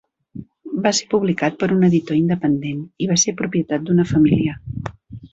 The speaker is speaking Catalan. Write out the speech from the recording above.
Va ser publicat per un editor independent i va ser propietat d'una família.